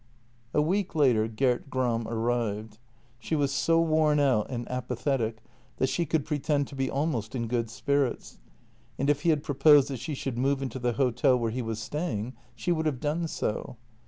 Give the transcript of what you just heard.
A week later Gert Gram arrived. She was so worn out and apathetic that she could pretend to be almost in good spirits, and if he had proposed that she should move into the hotel where he was staying, she would have done so.